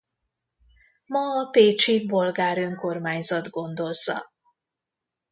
Ma a Pécsi Bolgár Önkormányzat gondozza.